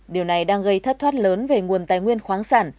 điều này đang gây thất thoát lớn về nguồn tài nguyên khoáng sản